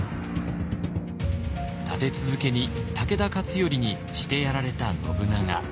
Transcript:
立て続けに武田勝頼にしてやられた信長。